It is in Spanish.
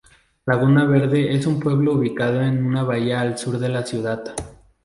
Laguna Verde es un pueblo ubicado en una bahía al sur de la ciudad.